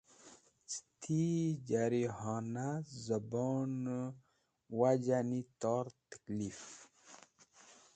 Cẽ ti jarihona zẽbonẽ wajani tor tẽklif.